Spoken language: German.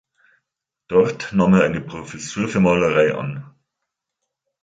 Dort nahm er eine Professur für Malerei an.